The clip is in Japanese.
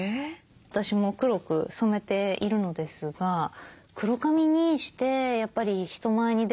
私も黒く染めているのですが黒髪にしてやっぱり人前に出るってお仕事を続けていく場合は